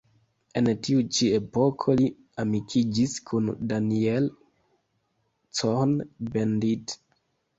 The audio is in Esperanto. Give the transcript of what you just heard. En tiu ĉi tempo li amikiĝis kun Daniel Cohn-Bendit.